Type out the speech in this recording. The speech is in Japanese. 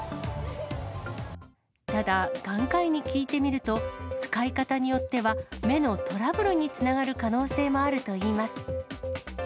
ただ、眼科医に聞いてみると、使い方によっては目のトラブルにつながる可能性もあるといいます。